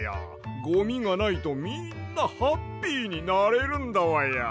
ゴミがないとみんなハッピーになれるんだわや。